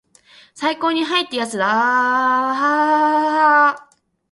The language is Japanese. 最高にハイ!ってやつだアアアアアアハハハハハハハハハハーッ